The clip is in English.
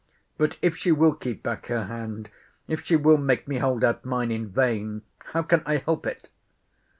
But, if she will keep back her hand, if she will make me hold out mine in vain, how can I help it?